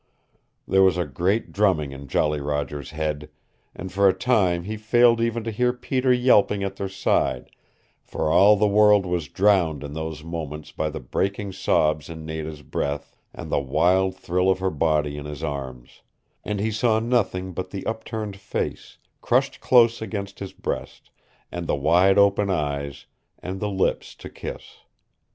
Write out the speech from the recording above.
There was a great drumming in Jolly Roger's head, and for a time he failed even to hear Peter yelping at their side, for all the world was drowned in those moments by the breaking sobs in Nada's breath and the wild thrill of her body in his arms; and he saw nothing but the upturned face, crushed close against his breast, and the wide open eyes, and the lips to kiss.